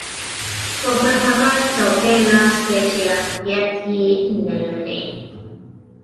او پر هغه څوکۍ ناست دی چې اهلیت ېې نلري